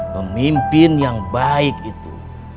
pemimpin yang baik itu